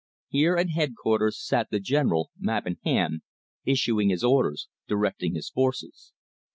Here at headquarters sat the general, map in hand, issuing his orders, directing his forces.